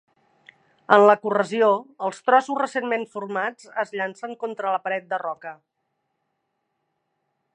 En la corrasió, els trossos recentment formats es llancen contra la paret de roca.